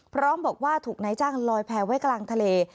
พร้อมบอกว่าถูกนายจ้างลอยแพ้ไว้กลางทะเล